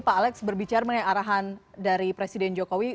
pak alex berbicara mengenai arahan dari presiden jokowi